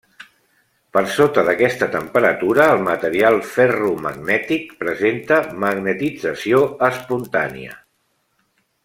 Per sota d'aquesta temperatura, el material ferromagnètic presenta magnetització espontània.